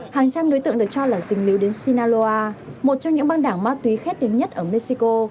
hàng trăm đối tượng được cho là dình miếu đến sinaloa một trong những băng đảng ma túy khét tiếng nhất ở mexico